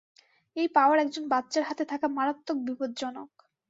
এই পাওয়ার একজন বাচ্চার হাতে থাকা মারাত্মক বিপদজনক।